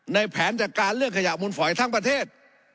ในแผนจัดการเรื่องขยะมุณฝอยทั้งประเทศ